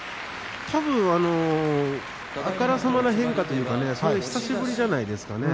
たぶんあからさまな変化というか久しぶりじゃないですかね。